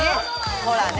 ほらね！